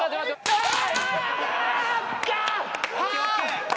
ああ！